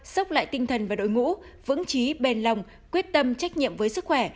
sốc lại tinh thần và đội ngũ vững trí bền lòng quyết tâm trách nhiệm với sức khỏe